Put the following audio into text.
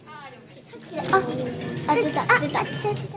あっ、出た。